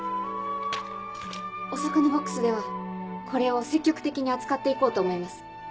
お魚ボックスではこれを積極的に扱って行こうと思います。